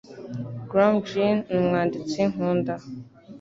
Graham Greene numwanditsi nkunda.